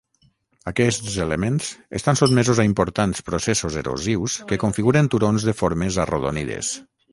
Aquests elements estan sotmesos a importants processos erosius que configuren turons de formes arrodonides.